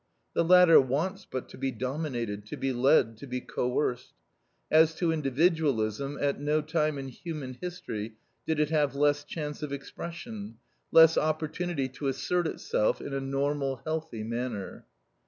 The latter wants but to be dominated, to be led, to be coerced. As to individualism, at no time in human history did it have less chance of expression, less opportunity to assert itself in a normal, healthy manner.